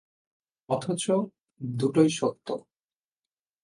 অথচ দুটোই সত্য।